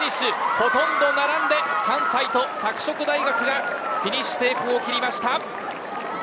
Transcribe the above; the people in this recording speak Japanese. ほとんど並んで関西と拓殖大学がフィニッシュテープを切りました。